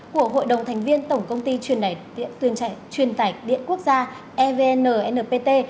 của hội đồng thành viên tổng công ty truyền tải điện quốc gia evnnpt